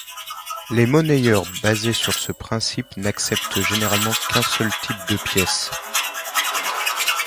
Les monnayeurs basés sur ce principe n'acceptent généralement qu'un seul type de pièce.